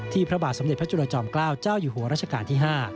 พระบาทสมเด็จพระจุลจอมเกล้าเจ้าอยู่หัวรัชกาลที่๕